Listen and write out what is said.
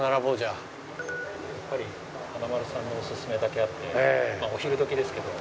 やっぱり華丸さんのオススメだけあってお昼時ですけど。